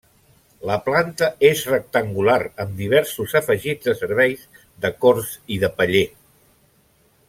La planta és rectangular amb diversos afegits de serveis, de corts i de paller.